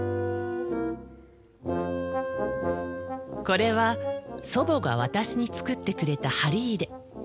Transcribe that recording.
これは祖母が私に作ってくれた針入れ。